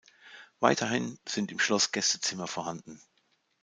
Weiterhin sind im Schloss Gästezimmer vorhanden.